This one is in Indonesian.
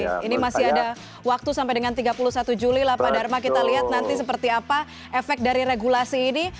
ini masih ada waktu sampai dengan tiga puluh satu juli lah pak dharma kita lihat nanti seperti apa efek dari regulasi ini